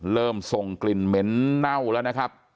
เริ่มส่งกลิ่นเหม็นเน่าแล้วนะครับ